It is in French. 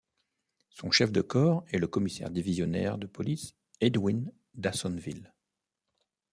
Son Chef de corps est le Commissaire Divisionnaire de Police Edwin Dassonville.